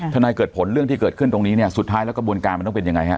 นายเกิดผลเรื่องที่เกิดขึ้นตรงนี้เนี่ยสุดท้ายแล้วกระบวนการมันต้องเป็นยังไงฮะ